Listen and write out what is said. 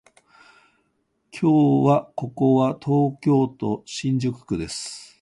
今日はここは東京都新宿区です